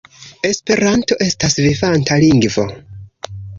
Esperanto estas vivanta lingvo.